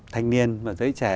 thanh niên và giới trẻ